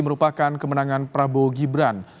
merupakan kemenangan prabowo gibran